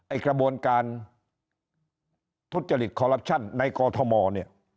กระบวนการทุจริตคอลลับชั่นในกอทมเนี่ย